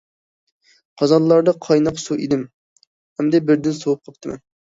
قازانلاردا قايناق سۇ ئىدىم، ئەمدى بىردىن سوۋۇپ قاپتىمەن.